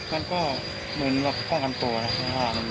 มันก็เหมือนแบบป้องกันตัวนะครับ